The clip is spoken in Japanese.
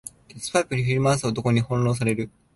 鉄パイプ振り回す男に翻弄される